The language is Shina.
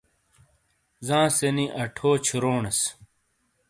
زانس ےنی اٹھو چھورونیس۔